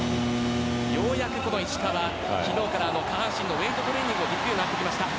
ようやく石川、昨日から下半身のウェートトレーニングができるようになってきました。